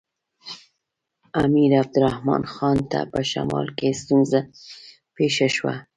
امیر عبدالرحمن خان ته په شمال کې ستونزه پېښه شوه.